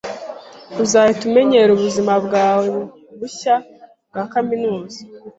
Uzahita umenyera ubuzima bwawe bushya bwa kaminuza.